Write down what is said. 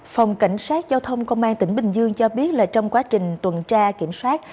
phòng cảnh sát giao thông công an tỉnh bình dương cho biết là trong quá trình tuần tra kiểm soát